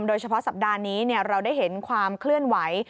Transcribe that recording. สัปดาห์นี้เราได้เห็นความเคลื่อนไหว